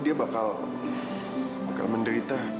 dia bakal menderita